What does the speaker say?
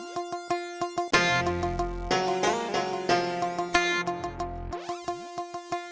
pur anterin gue ke pangkalan